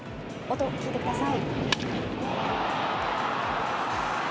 音、聞いてください。